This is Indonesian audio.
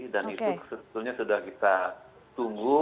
dan itu sebetulnya sudah kita tunggu